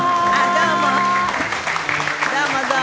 どうもどうも。